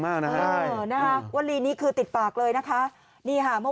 มากนะฮะเออนะคะวลีนี้คือติดปากเลยนะคะนี่ค่ะเมื่อ